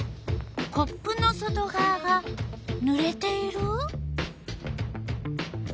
コップの外がわがぬれている？